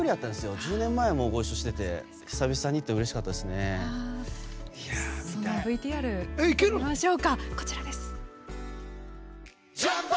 １０年前にご一緒してて久々にってのがＶＴＲを見てみましょう。